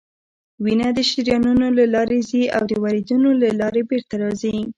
وینه د شریانونو له لارې ځي او د وریدونو له لارې بیرته راځي